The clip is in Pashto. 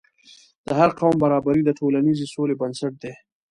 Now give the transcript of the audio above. د هر قوم برابري د ټولنیزې سولې بنسټ دی.